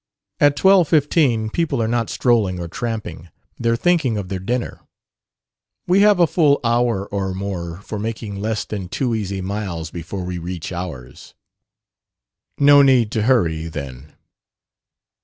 At twelve fifteen people are not strolling or tramping; they're thinking of their dinner. We have a full hour or more for making less than two easy miles before we reach ours." "No need to hurry, then."